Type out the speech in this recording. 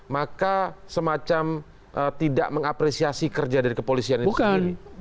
maka semacam tidak mengapresiasi kerja dari kepolisian itu sendiri